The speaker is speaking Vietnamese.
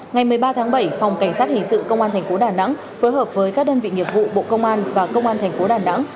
ngày một mươi ba tháng bảy phòng cảnh sát hình sự công an thành phố đà nẵng phối hợp với các đơn vị nghiệp vụ bộ công an và công an thành phố đà nẵng